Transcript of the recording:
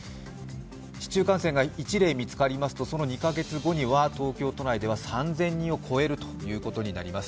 市中感染が１例見つかりますと、その２カ月後には東京都内では３０００人を超えるということになります。